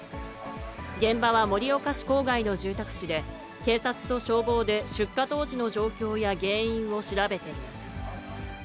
現場は、盛岡市郊外の住宅地で、警察と消防で出火当時の状況や原因を調べています。